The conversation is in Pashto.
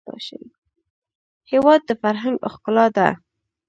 هېواد د فرهنګ ښکلا ده.